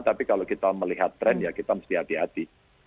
tapi kalau kita melihat tren ya kita mesti hati hati